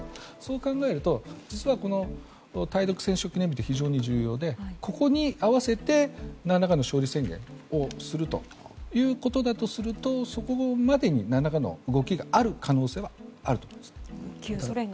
そう考えると実は対独戦勝記念日って非常に重要でここに合わせて何らかの勝利宣言をするということだとするとそこまでに何らかの動きがある可能性があると思います。